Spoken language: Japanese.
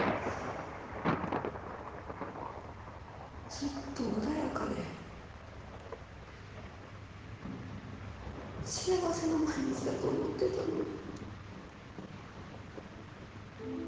ずっと穏やかで幸せな毎日だと思ってたのに。